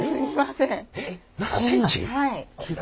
はい。